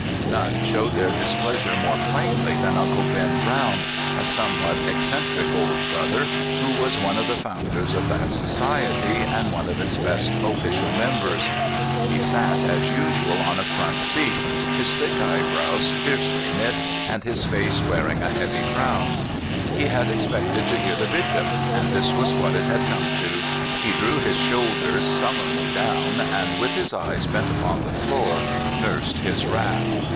None showed their displeasure more plainly than Uncle Ben Brown, a somewhat eccentric old brother, who was one of the founders of that society, and one of its best official members. He sat as usual BISHOP KAVANAUGH IN CALIFORNIA. 275 on a front seat, his thick eyebrows fiercely knit, and his face wearing a heavy frown. He had ex pected to hear the Bishop, and this was what it had come to! He drew his shoulders sullenly down, and, with his eyes bent upon the floor, nursed his wrath.